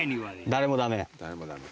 誰もダメ。